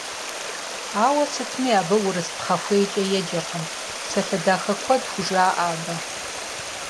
Ауэ сытми абы урыс пхъэхуейкӀэ еджэркъым, псалъэ дахэ куэд хужаӀэ абы.